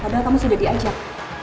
padahal kamu sudah diajak